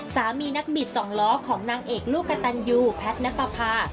สามีนักบิดส่องล้อของนางเอกลูกกะตันยูแพทนักปะพา